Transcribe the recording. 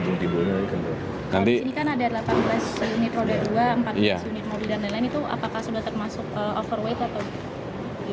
di sini kan ada delapan belas unit roda uang empat puluh delapan unit mobil apakah sudah termasuk overweight atau